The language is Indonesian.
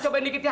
cobain dikit ya